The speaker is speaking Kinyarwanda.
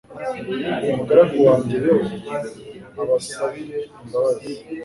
umugaragu wanjye yobu abasabire imbabazi